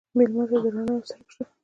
مېلمه ته د رڼا یو څرک شه.